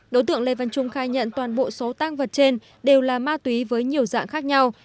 đối tượng lê văn trung khai nhận toàn bộ số tăng vật trên đều là ma túy với nhiều dạng khác nhau